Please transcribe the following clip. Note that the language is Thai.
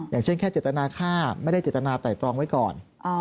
อย่างเช่นแค่เจตนาฆ่าไม่ได้เจตนาไตรตรองไว้ก่อน